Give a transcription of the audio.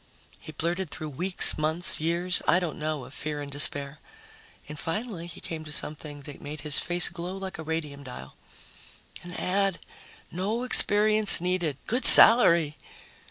He blurted through weeks, months, years I don't know of fear and despair. And finally he came to something that made his face glow like a radium dial. "An ad. No experience needed. Good salary."